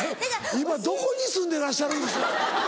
今どこに住んでらっしゃるんですか？